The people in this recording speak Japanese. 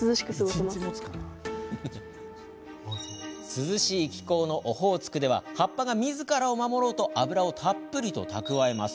涼しい気候のオホーツクでは葉っぱがみずからを守ろうと油をたっぷり蓄えます。